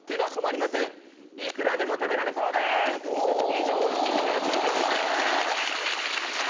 以上築地から中継でした！